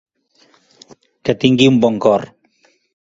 Que tingui un bon cor.